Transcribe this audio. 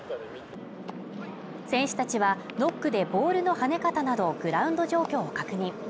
選手たちはノックでボールの跳ね方などグラウンド状況を確認。